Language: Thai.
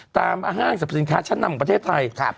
ตามอาหารสรรพสินค้าชั้นนำของประเทศไทยครับ